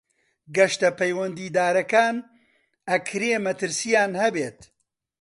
گەشتە پەیوەندیدارەکان ئەکرێ مەترسیان هەبێت.